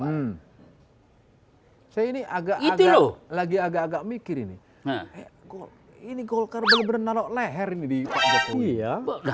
hai saya ini agak agak lagi agak agak mikir ini ini golkar benar benar leher ini di pak bapak punya ya